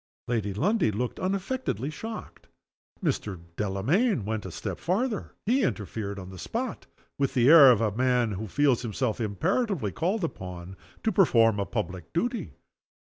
'" Lady Lundie looked unaffectedly shocked. Mr. Delamayn went a step farther. He interfered on the spot with the air of a man who feels himself imperatively called upon to perform a public duty.